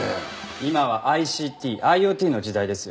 今はＩＣＴＩｏＴの時代ですよ。